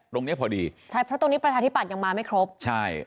ตรงนี้พอดีใช่เพราะตรงนี้ประชาธิบัตย์ยังมาไม่ครบใช่